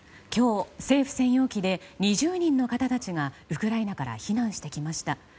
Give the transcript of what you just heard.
今日、政府専用機で２０人の方たちがウクライナから避難してきました。